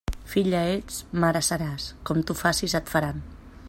Filla ets, mare seràs; com tu facis et faran.